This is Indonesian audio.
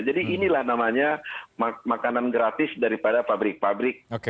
jadi inilah namanya makanan gratis daripada pabrik pabrik